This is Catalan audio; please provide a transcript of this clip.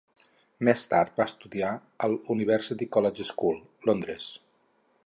Més tard va estudiar al University College School, Londres.